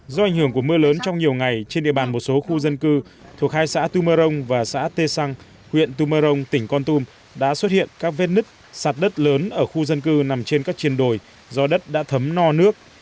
do ảnh hưởng của mưa lớn trong nhiều ngày trên địa bàn một số khu dân cư thuộc hai xã tu mơ rông và xã tê xăng huyện tumarong tỉnh con tum đã xuất hiện các vết nứt sạt đất lớn ở khu dân cư nằm trên các triền đồi do đất đã thấm no nước